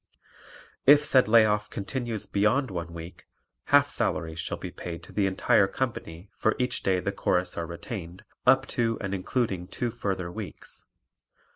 If said lay off continues beyond one week half salaries shall be paid to the entire company for each day the Chorus are retained up to and including two further weeks.